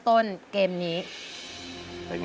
เพลงแรกของเจ้าเอ๋ง